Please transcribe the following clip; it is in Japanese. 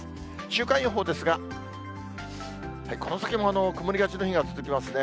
週間予報ですが、この先も曇りがちの日が続きますね。